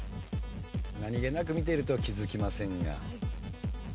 何げなく見ていると気づきませんが。